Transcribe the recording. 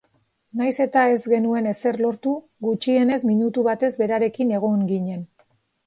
Nahiz eta ez genuen ezer lortu, gutxienez minutu batez berarekin egon ginen.